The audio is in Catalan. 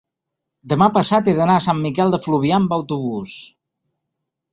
demà passat he d'anar a Sant Miquel de Fluvià amb autobús.